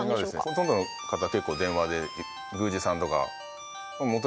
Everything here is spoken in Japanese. ほとんどの方結構電話で宮司さんとか。